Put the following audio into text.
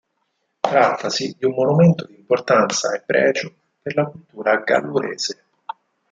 Trattasi di un monumento di importanza e pregio per la cultura gallurese.